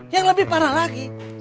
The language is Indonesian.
yang lebih parah lagi